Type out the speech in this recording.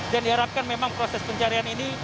dan diharapkan memang proses pencarian ini